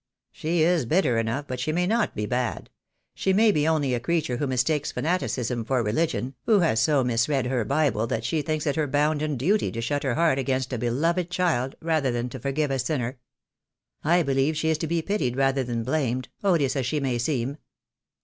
"She is bitter enough, but she may not be bad. She may be only a creature who mistakes fanaticism for re ligion, who has so misread her Bible that she thinks it her bounden duty to shut her heart against a beloved child rather than to forgive a sinner. I believe she is to be pitied rather than blamed, odious as she may seem."